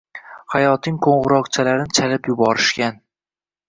Hayoting qo’ng’iroqchalarini chalib yuborishgan.